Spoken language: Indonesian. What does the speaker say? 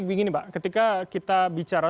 begini mbak ketika kita bicara